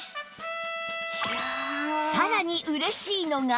さらに嬉しいのが